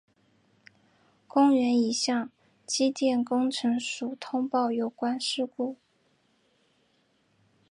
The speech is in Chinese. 公园已向机电工程署通报有关事故。